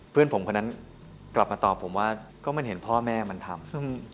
เพื่อนผมคนนั้นกลับมาตอบผมว่าก็มันเห็นพ่อแม่มันทำ